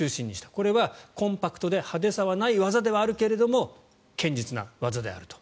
これはコンパクトで派手さはない技だけど堅実な技であると。